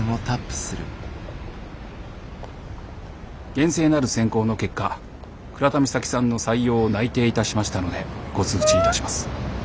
「厳正なる選考の結果倉田美咲さんの採用を内定いたしましたのでご通知いたします」。